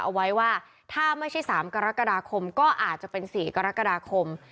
เอาไว้ว่าถ้าไม่ใช่๓กรกฎาคมก็อาจจะเป็น๔กรกฎาคม